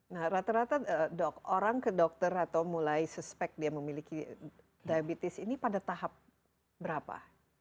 nah rata rata dok orang ke dokter atau mulai suspek dia memiliki diabetes ini pada tahap berapa